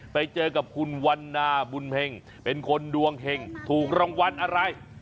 ไปเจอกับคุณวันนาบุญเฮงเป็นคนดวงเห็งถูกรางวัลอะไร